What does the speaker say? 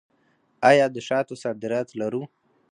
آیا د شاتو صادرات لرو؟